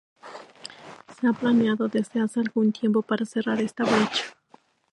Se ha planeado desde hace algún tiempo para cerrar esta brecha.